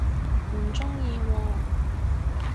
唔鍾意喎